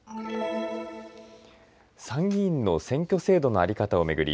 参議院の選挙制度の在り方を巡り